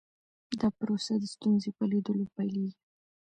دا پروسه د ستونزې په لیدلو پیلیږي.